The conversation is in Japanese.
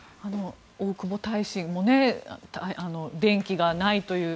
大久保大使も電気がないという。